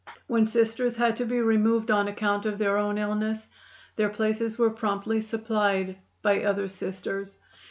When Sisters had to be removed on account of their own illness, their places were promptly supplied by other Sisters.